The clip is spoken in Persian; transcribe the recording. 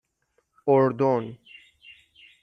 اردن